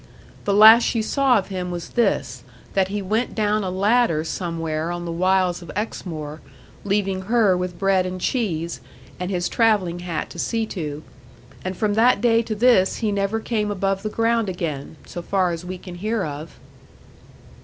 The last she saw of him was this, that he went down a ladder somewhere on the wilds of Exmoor, leaving her with bread and cheese, and his travelling hat to see to. And from that day to this he never came above the ground again; so far as we can hear of.